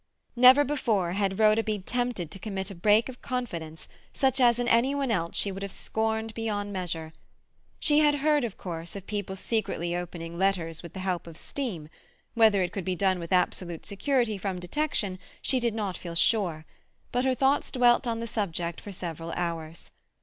Never before had Rhoda been tempted to commit a break of confidence such as in any one else she would have scorned beyond measure. She had heard, of course, of people secretly opening letters with the help of steam; whether it could be done with absolute security from detection she did not feel sure, but her thoughts dwelt on the subject for several hours.